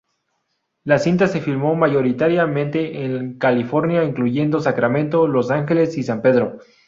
La cinta se filmó mayoritariamente en California, incluyendo Sacramento, Los Ángeles y San Pedro.